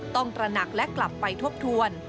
ต้องตระหนักแลกลับไปทบทวน